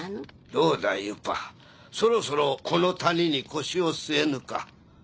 どうだユパそろそろこの谷に腰を据えぬか？